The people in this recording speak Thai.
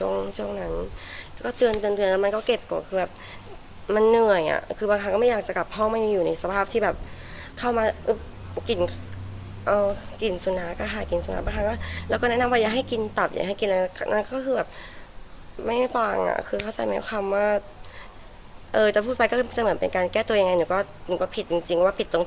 ไงอ่ะคือบางครั้งก็ไม่อยากจะกลับห้องมาอยู่อยู่ในสภาพที่แบบเข้ามาเออกลิ่นเอากลิ่นสุน้ากระห่ายกลิ่นสุน้าบางครั้งก็แล้วก็แนะนำว่าอย่าให้กินตับอย่าให้กินแล้วนั่นก็คือแบบไม่ได้ฟังอ่ะคือเขาใส่ไหมคำว่าเออจะพูดไปก็จะเหมือนเป็นการแก้ตัวอย่างไรหนูก็หนูก็ผิดจริงจริงว่าผิดตรงท